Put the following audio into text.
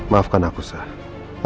maafkan aku sayang